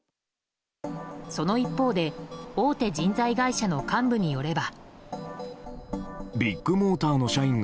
その一方で大手人材会社の幹部によれば。